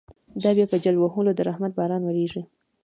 دا به بیا په جل وهلو، د رحمت باران وریږی